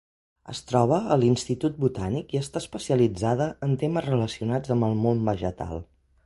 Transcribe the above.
Es troba a l'Institut Botànic i està especialitzada en temes relacionats amb el món vegetal.